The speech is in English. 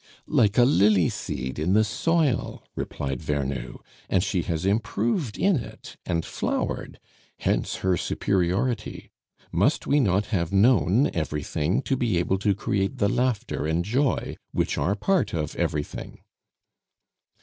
"Like a lily seed in the soil," replied Vernou, "and she has improved in it and flowered. Hence her superiority. Must we not have known everything to be able to create the laughter and joy which are part of everything?"